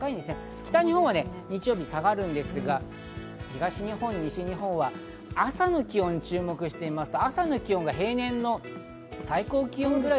北日本は日曜日下がりますが東日本、西日本は朝の気温に注目しますと、朝の気温が平年の最高気温ぐらい。